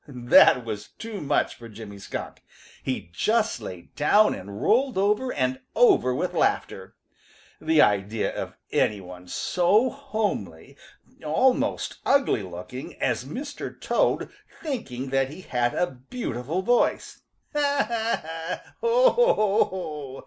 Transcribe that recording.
That was too much for Jimmy Skunk. He just lay down and rolled over and over with laughter. The idea of any one so homely, almost ugly looking, as Mr. Toad thinking that he had a beautiful voice! "Ha, ha, ha! Ho, ho, ho!"